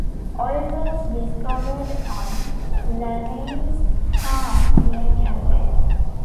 Oil was discovered on Laney's farm near Camden.